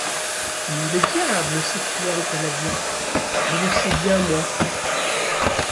Mille diables ! s’écria le Canadien, je le sais bien moi !